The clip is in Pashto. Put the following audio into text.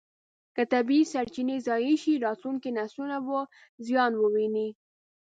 که طبیعي سرچینې ضایع شي، راتلونکي نسلونه به زیان وویني.